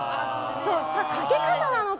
かけ方なのか。